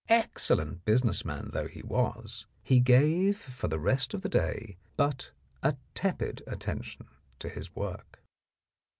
Excellent business man though he was, he gave for the rest of the day but a tepid attention to his work.